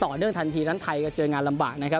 ต่อเรื่องทันทีดั้งไทยก็เจองานลำบาก